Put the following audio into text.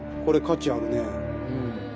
これ価値あるね。